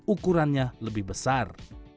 ukurannya lebih besar